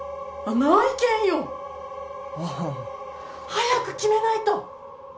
早く決めないと。